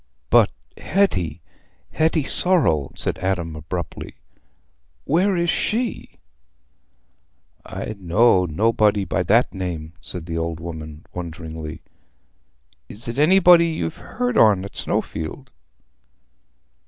"But Hetty—Hetty Sorrel," said Adam, abruptly; "Where is she?" "I know nobody by that name," said the old woman, wonderingly. "Is it anybody ye've heared on at Snowfield?"